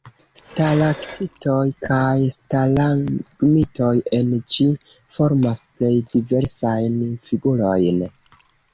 Stalaktitoj kaj stalagmitoj en ĝi formas plej diversajn figurojn.